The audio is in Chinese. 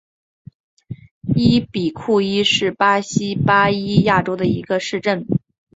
伊比库伊是巴西巴伊亚州的一个市镇。